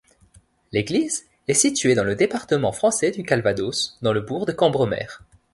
L'église est située dans le département français du Calvados, dans le bourg de Cambremer.